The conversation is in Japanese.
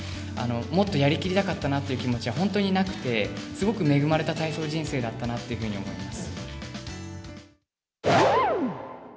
もっとやりきりたかったなという気持ちは本当になくて、すごく恵まれた体操人生だったなというふうに思います。